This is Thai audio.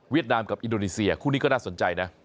นามกับอินโดนีเซียคู่นี้ก็น่าสนใจนะ